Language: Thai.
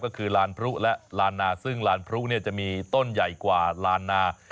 ก็คือลานพรุและลานนาซึ่งลานพรุจะมีต้นใหญ่กว่าลานนา